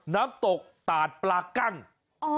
น้ำตกตาดปลากั้ง